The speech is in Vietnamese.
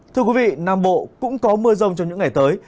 thưa quý vị nam bộ cũng có mưa rông trong những ngày tới